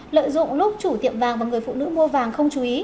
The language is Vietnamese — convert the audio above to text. lợi dụng lúc chủ tiệm vàng và người phụ nữ mua vàng không chú ý